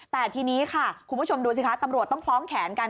แต่ทีนี้ค่ะคุณผู้ชมดูสิคะตำรวจต้องคล้องแขนกัน